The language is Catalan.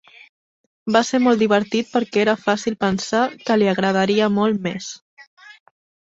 Va ser molt divertit perquè era fàcil pensar que li agradaria molt més.